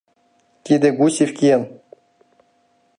Тиде Гусев киен.